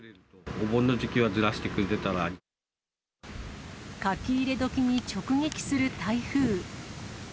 お盆の時期はずらしてくれた書き入れ時に直撃する台風。